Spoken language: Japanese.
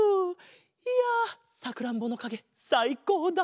いやさくらんぼのかげさいこうだった。